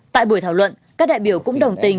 tại buổi thảo luận các đại biểu cũng đồng tình